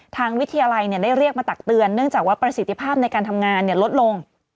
ทางวิทยาลัยได้เรียกมาตักเตือนเนื่องจากว่าประสิทธิภาพในการทำงานลดลง